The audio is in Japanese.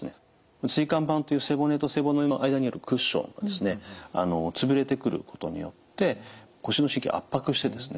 椎間板という背骨と背骨の間にあるクッションがですね潰れてくることによって腰の神経を圧迫してですね